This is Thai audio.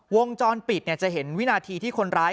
วงจรปิดจะเห็นวินาทีที่คนร้าย